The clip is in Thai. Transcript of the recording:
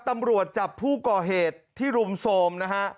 ตำรวจจับผู้ก่อเหตุที่รุมโทรมนะฮะ